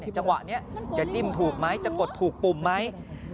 จังหวะนี้จะจิ้มถูกไหมจะกดถูกปุ่มไหม